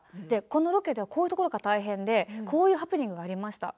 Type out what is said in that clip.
このロケではこういうところが大変でこういうハプニングがありました。